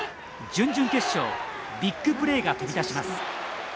準々決勝ビッグプレーが飛び出します。